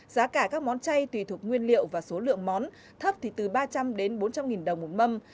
giá cả các món chay tùy thuộc nguyên liệu và số lượng món thấp thì từ ba trăm linh đến bốn trăm linh nghìn đồng một mâm